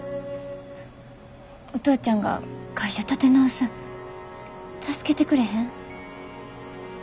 お父ちゃんが会社立て直すん助けてくれへん？